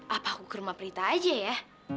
apa aku ke rumah prita aja ya